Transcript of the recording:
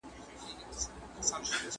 هغه په ډېرې غوسې سره خپل زوړ کمپیوټر مات کړ.